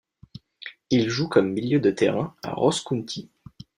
Il joue comme milieu de terrain à Ross County.